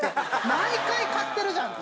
毎回買ってるじゃんって。